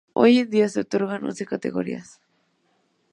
Hoy en día se otorgan en once categorías.